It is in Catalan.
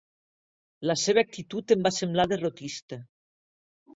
La seva actitud em va semblar derrotista.